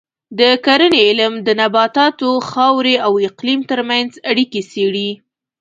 د کرنې علم د نباتاتو، خاورې او اقلیم ترمنځ اړیکې څېړي.